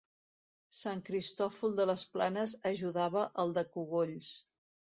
Sant Cristòfol de les Planes ajudava el de Cogolls.